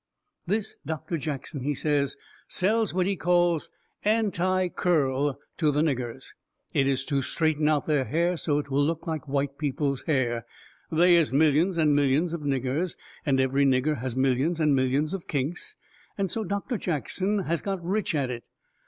This Doctor Jackson, he says, sells what he calls Anti Curl to the niggers. It is to straighten out their hair so it will look like white people's hair. They is millions and millions of niggers, and every nigger has millions and millions of kinks, and so Doctor Jackson has got rich at it.